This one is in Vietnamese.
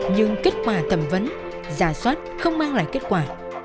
nhưng kết quả thẩm vấn giả soát không mang lại kết quả